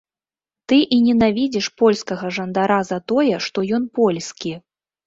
Ты і ненавідзіш польскага жандара за тое, што ён польскі.